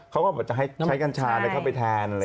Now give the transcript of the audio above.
เขาก็บอกจะให้ใช้กัญชาเข้าไปแทน